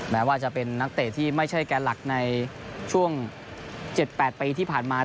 แม้ว่าจะเป็นนักเตะที่ไม่ใช่แกนหลักในช่วง๗๘ปีที่ผ่านมา